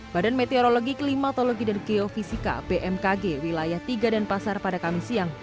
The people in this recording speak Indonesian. badan meteorologi klimatologi dan geofisika bmkg wilayah tiga dan pasar pada kamis siang